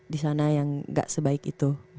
di sana yang gak sebaik itu